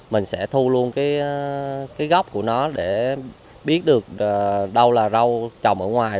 mình sẽ thu luôn cái gốc của nó để biết được đâu là rau trồng ở ngoài